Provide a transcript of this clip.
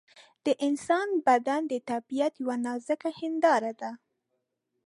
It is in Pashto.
د انسان بدن د طبیعت یوه نازکه هنداره ده.